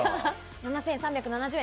７３７０円。